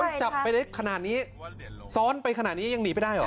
ถ้าจับไปได้ขนาดนี้ซ้อนไปขนาดนี้ยังหนีไปได้เหรอ